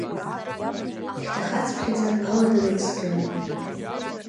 Хьҭахацԥхьаӡа алада дласкьон.